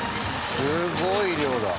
すごい量だ。